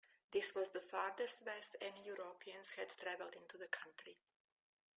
This was the furthest west any Europeans had travelled into the country.